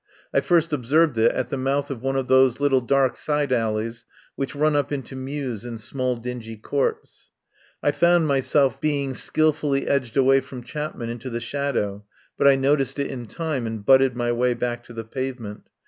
I first observed it at the mouth of one of those little dark side alleys which run up into mews 154 RESTAURANT IN ANTIOCH STREET and small dingy courts. I found myself be ing skilfully edged away from Chapman into the shadow, but I noticed it in time and butted my way back to the pavement.